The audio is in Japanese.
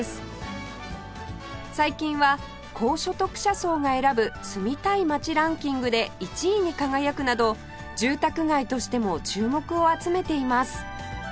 最近は高所得者層が選ぶ住みたい街ランキングで１位に輝くなど住宅街としても注目を集めています